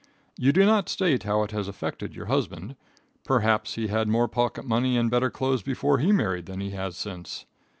You do not state how it has affected your husband. Perhaps he had more pocket money and better clothes before he married than he has since.